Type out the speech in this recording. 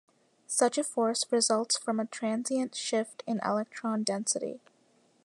Such a force results from a transient shift in electron density.